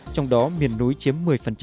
trong đó miền núi chiếm một mươi